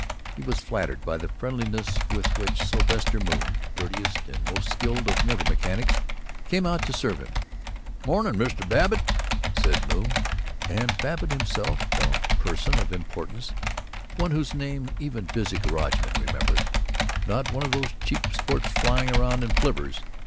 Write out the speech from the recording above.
He was flattered by the friendliness with which Sylvester Moon, dirtiest and most skilled of motor mechanics, came out to serve him. "Mornin', Mr. Babbitt!" said Moon, and Babbitt felt himself a person of importance, one whose name even busy garagemen remembered not one of these cheap sports flying around in flivvers.